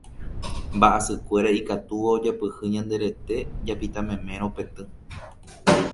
mba'asykuéra ikatúva ojapyhy ñande rete japitamemérõ petỹ